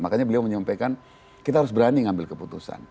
makanya beliau menyampaikan kita harus berani ngambil keputusan